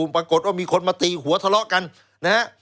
ปรากฏว่ามีคนมาตีหัวทะเลาะกันนะฮะ